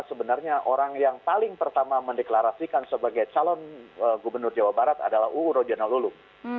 sebenarnya orang yang paling pertama mendeklarasikan sebagai calon gubernur jawa barat adalah uu rojana lulung